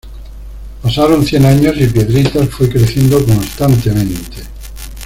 Pasaron cien años y Piedritas fue creciendo constantemente.